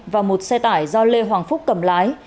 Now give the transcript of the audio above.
và một xe tải do lê hoàng phúc cầm lái